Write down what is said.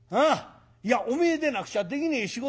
いやおめえでなくちゃできねえ仕事だ。